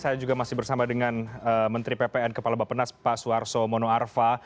saya juga masih bersama dengan menteri ppn kepala bapak nas pak suarso mono arfa